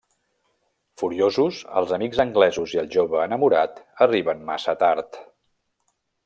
Furiosos, els amics anglesos i el jove enamorat arriben massa tard.